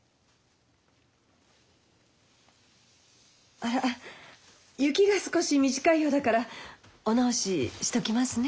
あら裄が少し短いようだからお直ししときますね。